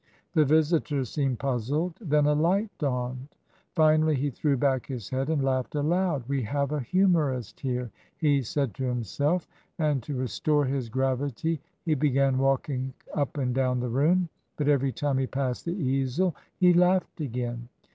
The visitor seemed puzzled; then a light dawned. Finally he threw back his head and laughed aloud. "We have a humourist here," he said to himself; and to restore his gravity, he began walking up and down the room; but every time he passed the easel he laughed again.